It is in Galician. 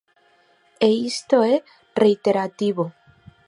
E isto é reiterativo.